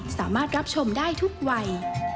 สามารถรับชมได้ทุกวัย